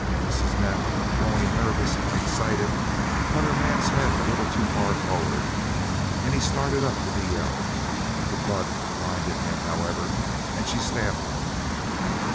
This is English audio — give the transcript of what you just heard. Mrs. Neff, growing nervous and excited, cut her man's head a little too far forward, and he started up with a yell. The blood blinded him, however, and she stabbed him.